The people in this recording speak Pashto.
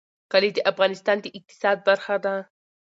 کلي د افغانستان د اقتصاد برخه ده.